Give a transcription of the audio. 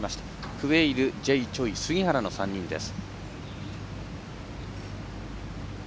クウェイル、Ｊ．チョイ杉原の３人です。